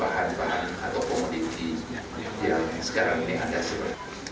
yang sekarang ini ada sebenarnya